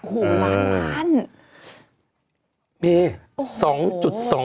โอ้โหล้านล้าน